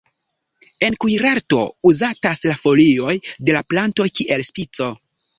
En kuirarto uzatas la folioj de la planto kiel spico.